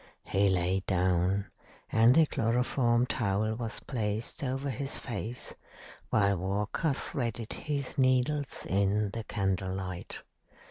He lay down, and the chloroform towel was placed over his face, while Walker threaded his needles in the candle light.